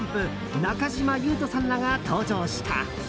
中島裕翔さんらが登場した。